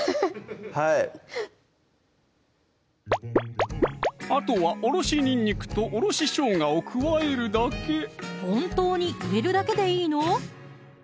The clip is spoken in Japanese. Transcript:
はいあとはおろしにんにくとおろししょうがを加えるだけ本当に入れるだけでいいの？